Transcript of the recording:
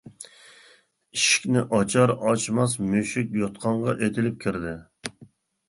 ئىشىكنى ئاچار-ئاچماس مۈشۈك يوتقانغا ئېتىلىپ كىردى.